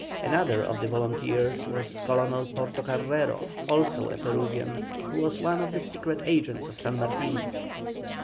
Another of the volunteers was Colonel Portocarrero, also a Peruvian, who was one of the secret agents of San Martin.